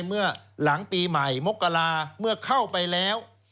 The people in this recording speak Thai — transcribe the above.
เมื่อหลังปีใหม่มกราเมื่อเข้าไปแล้ว